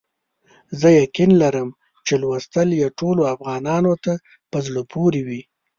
زه یقین لرم چې لوستل یې ټولو افغانانو ته په زړه پوري وي.